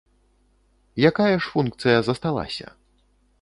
Якая ж функцыя засталася?